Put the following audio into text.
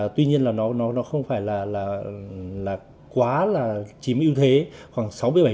tuy nhiên nó không phải là quá là chiếm yếu thế khoảng sáu bảy